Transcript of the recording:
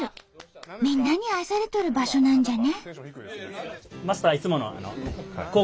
みんなに愛されとる場所なんじゃね！